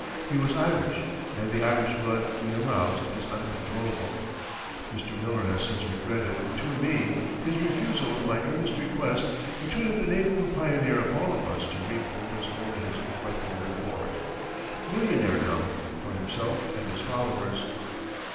He was Irish, and the Irish blood when aroused is uncontrollable. Mr. Miller has since regretted (to me) his refusal of my earnest request, which would have enabled the pioneer of all of us to reap what was only his rightful reward millionairedom for himself and his followers.